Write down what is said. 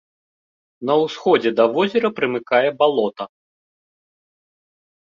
На ўсходзе да возера прымыкае балота.